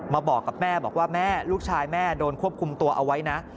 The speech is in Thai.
บอกกับแม่บอกว่าแม่ลูกชายแม่โดนควบคุมตัวเอาไว้นะ